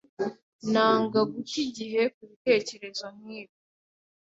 Nanga guta igihe kubitekerezo nkibi.